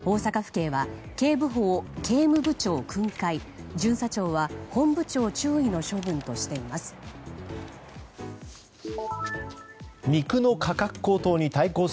大阪府警は警部補を警務部長訓戒巡査長は本部長注意の処分としています。